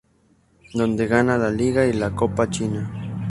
Donde gana la liga y la copa china.